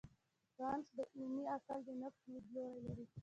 کانټ د عملي عقل د نقد لیدلوری لري.